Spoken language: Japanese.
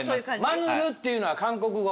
マヌルっていうのは韓国語？